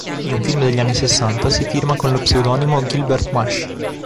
In un film degli anni sessanta si firma con lo pseudonimo Gilbert Mash.